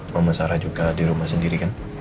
mama sarah juga di rumah sendiri kan